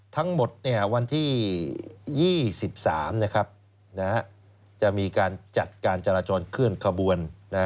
ทั้งหมดวันที่๒๓จะมีการจัดการจราจรเคลื่อนขบวน